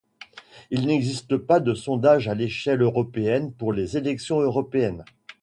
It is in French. Il n'existe pas de sondages à l'échelle européenne pour les élections européennes.